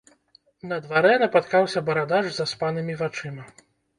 На дварэ напаткаўся барадач з заспанымі вачыма.